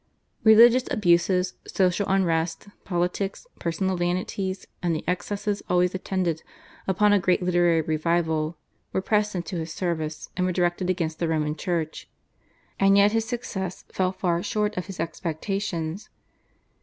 Religious abuses, social unrest, politics, personal vanities, and the excesses always attendant upon a great literary revival, were pressed into his service, and were directed against the Roman Church. And yet his success fell far short of his expectations.